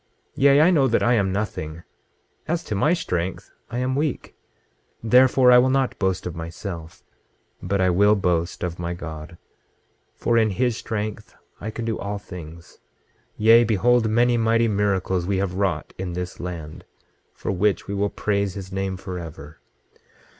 26:12 Yea, I know that I am nothing; as to my strength I am weak; therefore I will not boast of myself, but I will boast of my God, for in his strength I can do all things; yea, behold, many mighty miracles we have wrought in this land, for which we will praise his name forever.